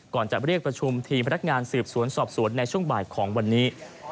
ก่อนจะเรียกประชุมทีมพนักงานสืบสวนสอบสวนในช่วงบ่ายของวันนี้